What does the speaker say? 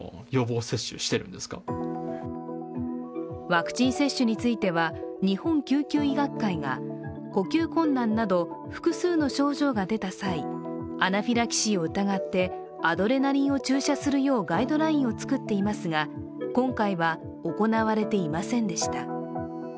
ワクチン接種については、日本救急医学会が呼吸困難など複数の症状が出た際、アナフィラキシーを疑ってアドレナリンを注射するようガイドラインを作っていますが今回は行われていませんでした。